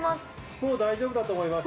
◆もう大丈夫だと思います。